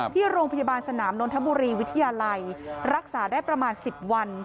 ที่โรงพยาบาลสนามนนทบุรีวิทยาลัยรักษาได้ประมาณ๑๐วัน